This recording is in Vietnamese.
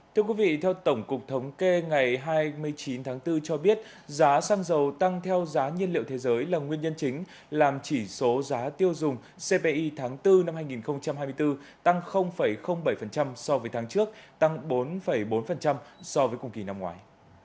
thưa quý vị theo tổng cục thống kê ngày hai mươi chín tháng bốn cho biết giá xăng dầu tăng theo giá nhiên liệu thế giới là nguyên nhân chính làm chỉ số giá tiêu dùng cpi tháng bốn năm hai nghìn hai mươi bốn tăng bảy so với tháng trước tăng bốn bốn so với cùng kỳ năm ngoài